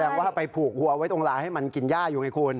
ว่าไปผูกหัวไว้ตรงลาให้มันกินย่าอยู่ไงคุณ